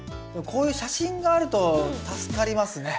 こういう写真があると助かりますね。